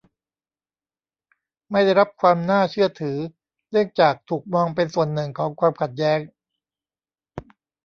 ไม่ได้รับความน่าเชื่อถือ เนื่องจากถูกมองเป็นส่วนหนึ่งของความขัดแย้ง